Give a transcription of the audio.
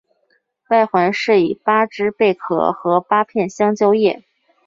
外环饰以八只贝壳和八片香蕉叶。